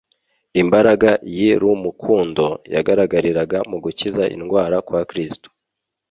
Imbaraga y'rumkundo yagaragariraga mu gukiza indwara kwa Kristo,